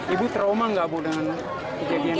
ibu trauma nggak bu dengan kejadian ini